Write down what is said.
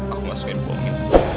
aku masukin bomnya